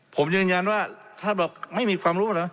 ผมยืนยันว่าท่านบอกไม่มีความรู้เหรอ